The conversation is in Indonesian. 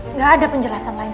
nggak ada penjelasan lain